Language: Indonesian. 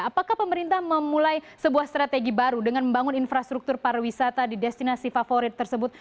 apakah pemerintah memulai sebuah strategi baru dengan membangun infrastruktur pariwisata di destinasi favorit tersebut